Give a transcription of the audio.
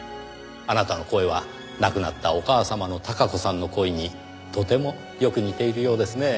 あなたの声は亡くなったお母様の孝子さんの声にとてもよく似ているようですね。